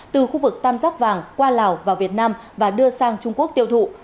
từ khu vực tam giác vàng qua lào vào việt nam và đưa sang trung quốc tiêu thụ